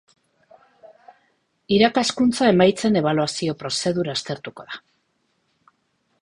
Irakaskuntza emaitzen ebaluazio prozedura aztertuko da.